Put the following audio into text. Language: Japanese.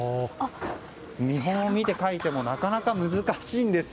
見本を見て書いてもなかなか難しいんですよ。